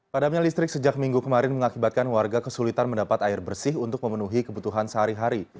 padamnya listrik sejak minggu kemarin mengakibatkan warga kesulitan mendapat air bersih untuk memenuhi kebutuhan sehari hari